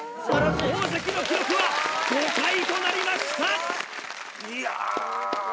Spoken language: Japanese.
大関の記録は５回となりました！